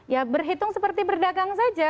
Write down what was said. ya berhitung seperti berdagang saja